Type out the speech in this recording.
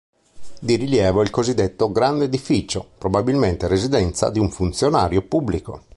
Di rilievo è il cosiddetto "Grande Edificio", probabilmente residenza di un funzionario pubblico.